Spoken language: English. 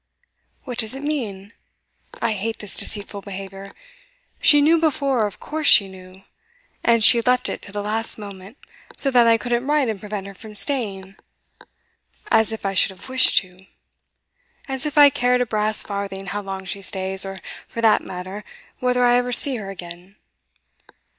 'What does it mean? I hate this deceitful behaviour! She knew before, of course she knew; and she left it to the last moment, so that I couldn't write and prevent her from staying. As if I should have wished to! As if I cared a brass farthing how long she stays, or, for that matter, whether I ever see her again!